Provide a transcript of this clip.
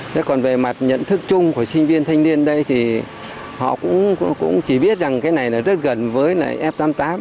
thế còn về mặt nhận thức chung của sinh viên thanh niên đây thì họ cũng chỉ biết rằng cái này là rất gần với là f tám mươi tám